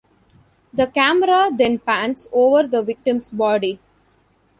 The camera then pans over the victim's body.